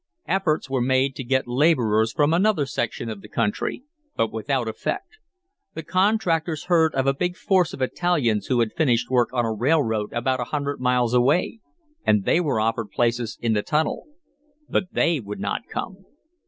Efforts were made to get laborers from another section of the country, but without effect. The contractors heard of a big force of Italians who had finished work on a railroad about a hundred miles away, and they were offered places in the tunnel. But they would not come.